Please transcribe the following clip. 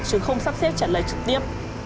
chứ không sắp xếp trả lời trực tiếp